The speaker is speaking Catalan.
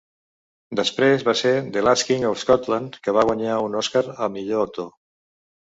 Després va ser "The Last King of Scotland", que va guanyar un Oscar a millor actor.